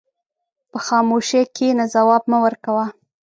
په خاموشۍ کښېنه، ځواب مه ورکوه.